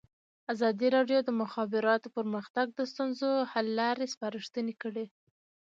ازادي راډیو د د مخابراتو پرمختګ د ستونزو حل لارې سپارښتنې کړي.